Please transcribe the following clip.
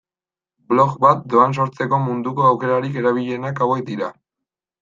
Blog bat doan sortzeko munduko aukerarik erabilienak hauek dira.